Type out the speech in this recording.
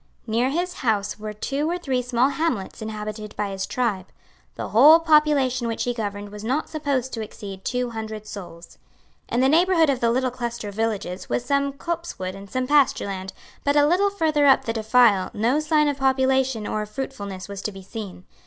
Near his house were two or three small hamlets inhabited by his tribe. The whole population which he governed was not supposed to exceed two hundred souls. In the neighbourhood of the little cluster of villages was some copsewood and some pasture land; but a little further up the defile no sign of population or of fruitfulness was to be seen.